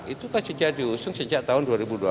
itu kan sudah diusung sejak tahun dua ribu dua belas